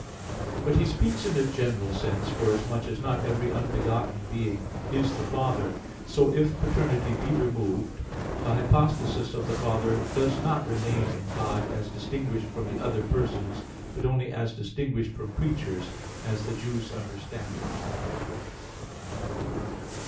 But he speaks in a general sense, forasmuch as not every unbegotten being is the Father. So, if paternity be removed, the hypostasis of the Father does not remain in God, as distinguished from the other persons, but only as distinguished from creatures; as the Jews understand it.